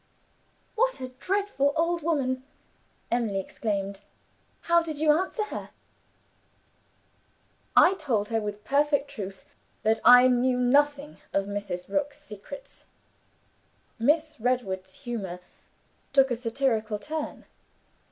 '" "What a dreadful old woman!" Emily exclaimed. "How did you answer her?" "I told her, with perfect truth, that I knew nothing of Mrs. Rook's secrets. Miss Redwood's humor took a satirical turn.